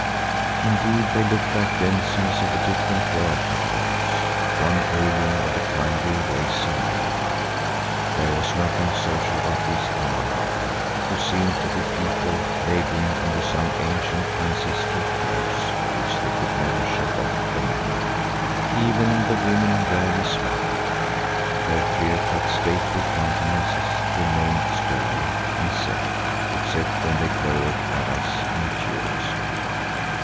Indeed, they looked like denizens of a different world to ours, one alien to the kindly race of men. There was nothing social about these Amahagger, who seemed to be a people labouring under some ancient ancestral curse of which they could never shake off the memory. Even the women rarely smiled; their clear cut, stately countenances remained stern and set, except when they glowered at us incuriously.